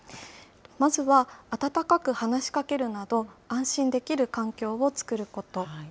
まずは温かく話しかけるなど安心できる環境を作ること。